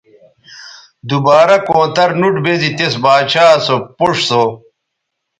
دوبارہ کونتر نوٹ بیزی تس باچھا سو پوڇ سو